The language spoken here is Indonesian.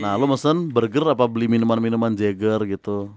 nah lo mesen burger apa beli minuman minuman jeger gitu